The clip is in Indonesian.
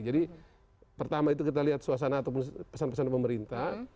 jadi pertama itu kita lihat suasana ataupun pesan pesan dari pemerintah